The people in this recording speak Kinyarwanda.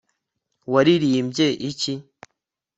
waririmbye iki